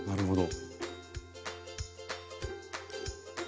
なるほど。